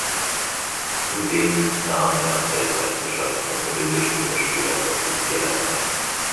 Zudem nahm er an Weltmeisterschaften und Olympischen Winterspielen als Offizieller teil.